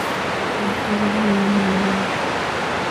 Las flores vienen en verano.